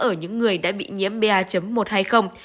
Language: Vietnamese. ở những người đã bị nhiễm ba một hay không